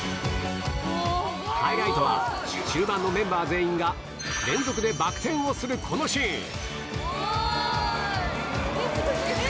ハイライトは終盤のメンバー全員が連続でバク転をするこのシーン。